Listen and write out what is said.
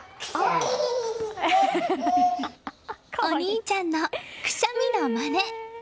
お兄ちゃんのくしゃみのまね。